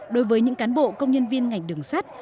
đối với những cán bộ công nhân viên ngành đường sắt